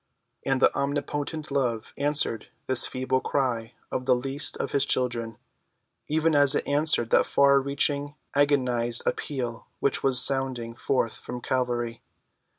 And the Omnipotent Love answered this feeble cry of the least of his children, even as it answered that far‐reaching, agonized appeal which was sounding forth from Calvary.